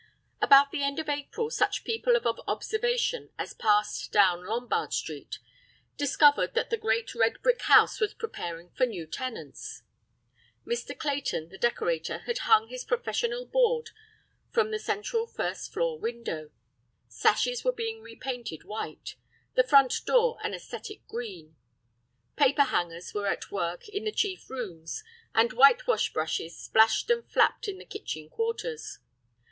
About the end of April such people of observation as passed down Lombard Street, discovered that the great red brick house was preparing for new tenants. Mr. Clayton, the decorator, had hung his professional board from the central first floor window. Sashes were being repainted white, the front door an æsthetic green. Paper hangers were at work in the chief rooms, and whitewash brushes splashed and flapped in the kitchen quarters.